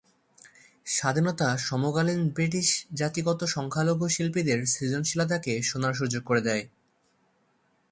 স্বাধীনতা সমকালীন ব্রিটিশ জাতিগত সংখ্যালঘু শিল্পীদের সৃজনশীলতাকে শোনার সুযোগ করে দেয়।